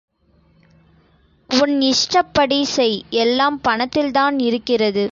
உன் இஷ்டப் படி செய் எல்லாம் பணத்தில்தான் இருக்கிறது.